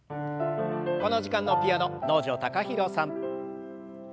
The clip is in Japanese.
この時間のピアノ能條貴大さん。